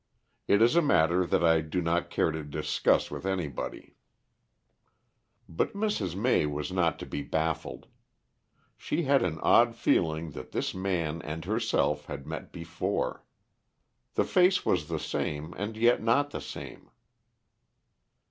It is a matter that I do not care to discuss with anybody." But Mrs. May was not to be baffled. She had an odd feeling that this man and herself had met before. The face was the same, and yet not the same.